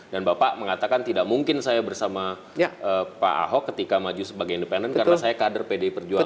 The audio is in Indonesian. dan bapak mengatakan tidak mungkin saya bersama pak ahok ketika maju sebagai independen karena saya kader pdi perjuangan